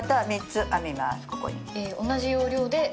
同じ要領で。